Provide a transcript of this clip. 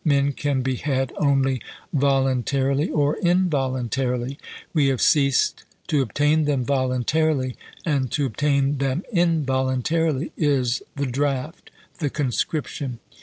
Men can be had only voluntarily or involuntarily. We have ceased to obtain them voluntarily, and to obtain them involuntarily is the draft — the conscription.